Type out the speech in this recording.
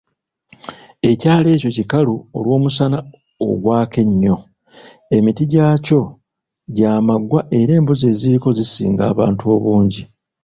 Ekyalo ekyo kikalu olw'omusana ogwaka ennyo, emiti gy'akwo gya maggwa era embuzi eziriko zisinga abantu obungi.